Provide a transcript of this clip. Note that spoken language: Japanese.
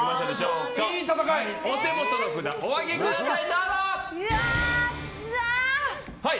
お手元の札、お上げください。